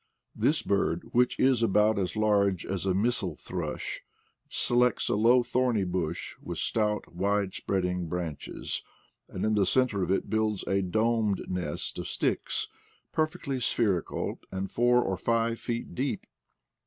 This bird, which is about as large as a missel thrush, selects a low thorny bush with stout wide spreading branches, and in the center of it builds a domed nest of sticks, perfectly spherical and four or five feet deep.